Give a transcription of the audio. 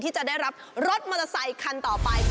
ที่จะได้รับรถมอเตอร์ไซคันต่อไป